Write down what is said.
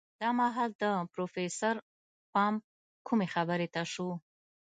دا مهال د پروفيسر پام کومې خبرې ته شو.